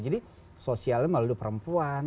jadi sosialnya melalui perempuan